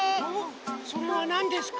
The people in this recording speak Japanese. それはなんですか？